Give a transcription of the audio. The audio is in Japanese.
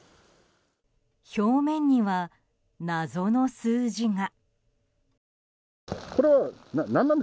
表面には謎の数字が。